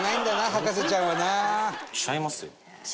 博士ちゃんはな。